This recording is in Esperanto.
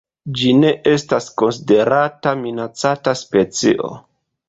Ĝi ne estas konsiderata minacata specio.